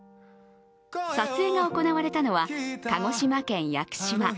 撮影が行われたのは鹿児島県屋久島。